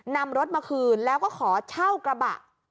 นำรถมาคืนแล้วก็ขอเช่ากระบะ